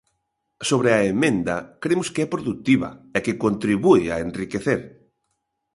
Sobre a emenda cremos que é produtiva e que contribúe a enriquecer.